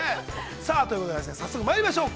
さあということで、早速まいりましょうか。